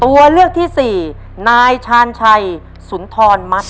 ตัวเลือกที่สี่นายชาญชัยสุนทรมัด